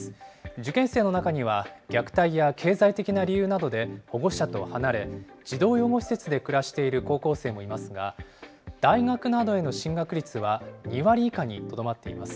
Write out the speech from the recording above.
受験生の中には、虐待や経済的な理由などで保護者と離れ、児童養護施設で暮らしている高校生もいますが、大学などへの進学率は２割以下にとどまっています。